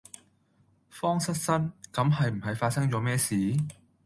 慌失失咁係唔係發生左咩事？